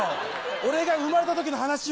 俺が生まれた時の話は。